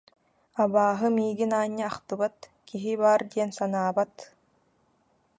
Абааһы миигин аанньа ахтыбат, киһи баар диэн санаабат